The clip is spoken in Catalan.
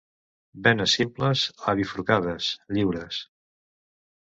Venes simples a bifurcades, lliures.